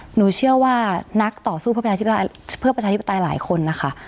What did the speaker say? หนูเชื่อว่านักต่อสู้เพื่อประชาธิปไตยหลายคนนะคะ